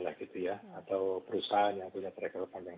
atau perusahaan yang punya track record panjang